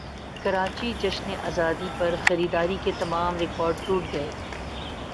کراچی جشن زادی پرخریداری کے تمام ریکارڈٹوٹ گئے